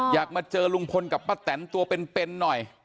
อยากมาเจอลุงพลกับป้าแตนตัวเป็นหน่อย